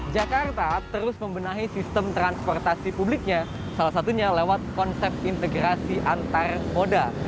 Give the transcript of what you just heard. jakarta terus membenahi sistem transportasi publiknya salah satunya lewat konsep integrasi antar moda